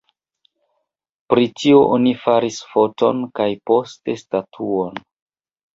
Pri tio oni faris foton kaj poste statuon.